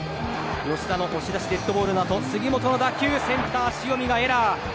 吉田の押し出しデッドボールのあと杉本の打球センター、塩見がエラー。